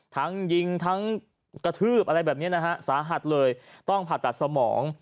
ทั้งยิงทั้งกระทืบอะไรแบบนี้นะฮะสาหัสเลยต้องผ่าตัดสมอง